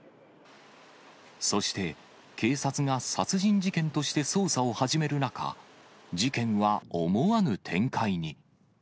そして、警察が殺人事件として捜査を始める中、事件は思わぬ展開に。